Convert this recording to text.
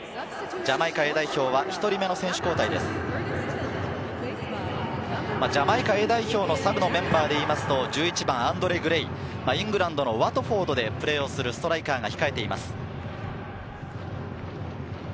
ジャマイカＡ代表のサブのメンバーでいいますと１１番アンドレ・グレイ、イングランドのワトフォードでプレーするストライカーが控えています。